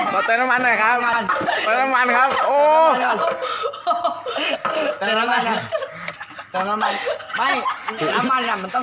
ต่อเติมน้ำมันหน่อยครับเติมน้ำมันครับโอ้